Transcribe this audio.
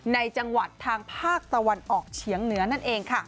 ในจังหวัดทางภาคตะวันออกเฉียงเหนือนั่นเองค่ะ